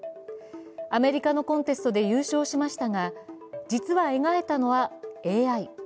アメリカのコンテストで優勝しましたが、実は描いたのはＡＩ。